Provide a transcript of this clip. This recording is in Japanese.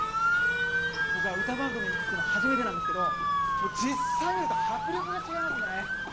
僕は歌番組に就くの初めてなんですけど実際見ると迫力が違いますね！